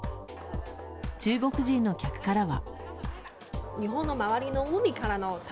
中国人の客からは。